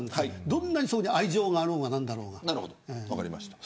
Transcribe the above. どんなに愛情があるだろうが何だろうが。